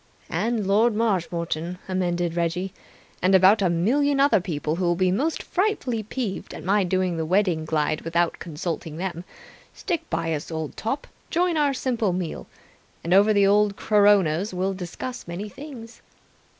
"And Lord Marshmoreton," amended Reggie. "And about a million other people who'll be most frightfully peeved at my doing the Wedding Glide without consulting them. Stick by us, old top. Join our simple meal. And over the old coronas we will discuss many things."